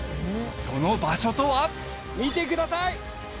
その場所とは見てください